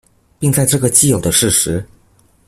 並在這個既有的事實